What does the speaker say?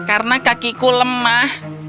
karena kakiku lemah